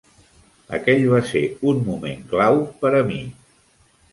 Aquell va ser un moment clau per a mi.